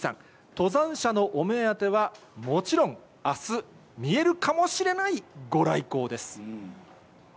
登山者のお目当てはもちろん、あす見えるかもしれない御来光です。